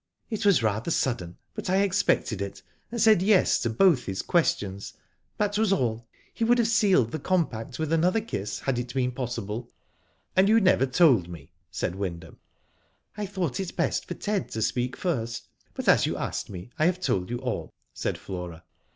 ." It was rather sudden, but I expected it, and said yes to both his questions, that was all. He would have sealed the compact with another kiss had it been pos^ble." '*And you never told me," said Wyndham. '* I thought it best for Ted to speak first, but as you asked me, I have told you all," said Flora.